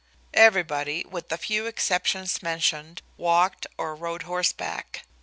Everybody, with the few exceptions mentioned, walked or rode horseback.